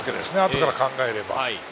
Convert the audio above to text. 後から考えれば。